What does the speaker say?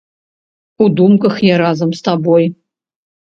У думках я разам з табой.